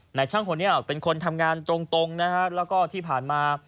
นายช่างคนนี้เป็นคนทำงานตรงนะฮะแล้วก็ที่ผ่านมา